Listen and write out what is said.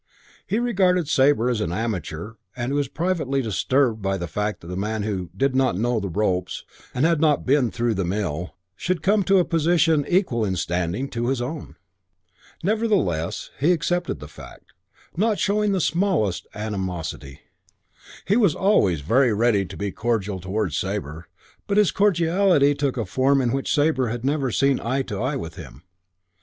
He regarded Sabre as an amateur and he was privately disturbed by the fact that a man who "did not know the ropes" and had not "been through the mill" should come to a position equal in standing to his own. Nevertheless he accepted the fact, showing not the smallest animosity. He was always very ready to be cordial towards Sabre; but his cordiality took a form in which Sabre had never seen eye to eye with him.